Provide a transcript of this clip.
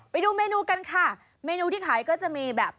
ไปดูเมนูกันค่ะเมนูที่ขายก็จะมีแบบ